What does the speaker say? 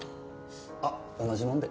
あ同じもんで。